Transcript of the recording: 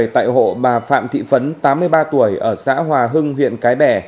tại hộ bà phạm thị phấn tám mươi ba tuổi ở xã hòa hưng huyện cái bè